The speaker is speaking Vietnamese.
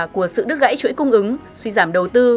của sự đứt gãy chuỗi cung ứng suy giảm đầu tư